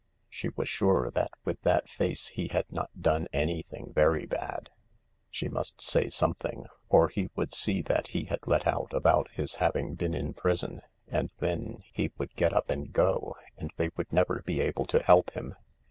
She was sure that with that face he had not done anything very bad. She must say something, or he would see that he had let out about his having been in prison, and then he would get up and go, and they would never be able to help him.